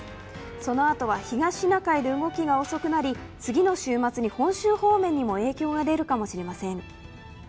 そのあとは東シナ海で動きが遅くなり次の週末に本州方面にも影響が出るかもしれません。